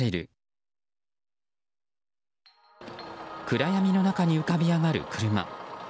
暗闇の中に浮かび上がる車。